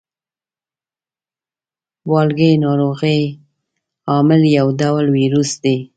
والګی ناروغۍ عامل یو ډول ویروس دی.